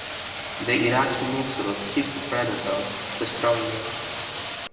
The Iraqi missile hit the Predator, destroying it.